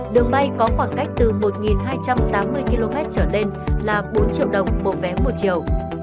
đường bay có khoảng cách từ một hai trăm tám mươi km trở lên là bốn triệu đồng một vé một chiều